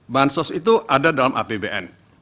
bansos itu ada dalam apbn